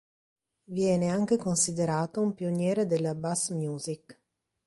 Viene anche considerato un pioniere della bass music.